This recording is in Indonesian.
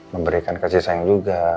memberikan kasih sayang juga